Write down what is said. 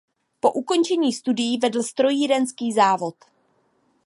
Po ukončení studií vedl strojírenský závod.